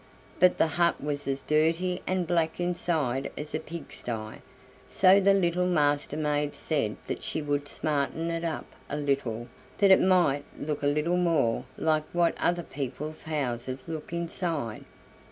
But the hut was as dirty and black inside as a pigsty, so the Master maid said that she would smarten it up a little, that it might look a little more like what other people's houses looked inside.